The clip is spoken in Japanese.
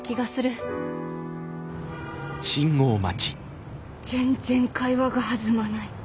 心の声全然会話が弾まない。